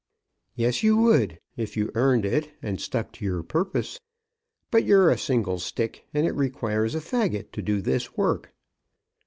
"Yes you would; if you earned it, and stuck to your purpose. But you're a single stick, and it requires a faggot to do this work."